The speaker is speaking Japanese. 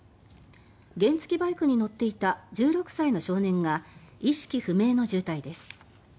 原付きバイクに乗っていた１６歳の少年が意識不明の重体です。